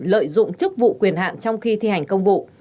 lợi dụng chức vụ quyền hạn trong khi thi hành công vụ